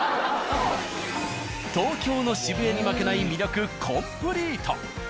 東京の渋谷に負けない魅力コンプリート！